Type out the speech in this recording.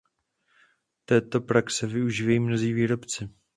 Této praxe využívají mnozí výrobci.